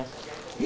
え？